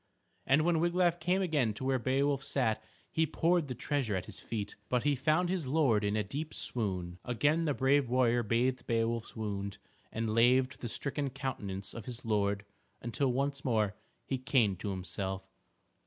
And when Wiglaf came again to where Beowulf sat he poured the treasure at his feet. But he found his lord in a deep swoon. Again the brave warrior bathed Beowulf's wound and laved the stricken countenance of his lord, until once more he came to himself.